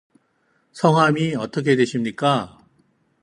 성함이 어떻게 되십니까?